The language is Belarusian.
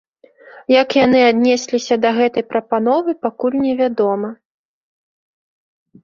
Як яны аднесліся да гэтай прапановы, пакуль невядома.